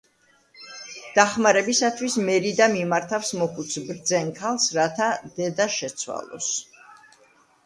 დახმარებისათვის მერიდა მიმართავს მოხუც ბრძენ ქალს, რათა „დედა შეცვალოს“.